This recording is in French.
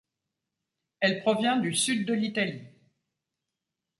Elle provient du sud de l’Italie.